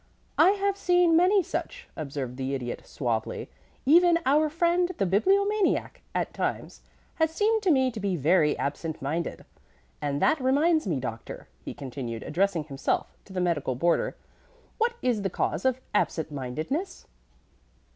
"I have seen many such," observed the Idiot, suavely. "Even our friend the Bibliomaniac at times has seemed to me to be very absent minded. And that reminds me, Doctor," he continued, addressing himself to the medical boarder. "What is the cause of absent mindedness?"